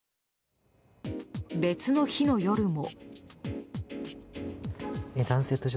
別の日の夜も。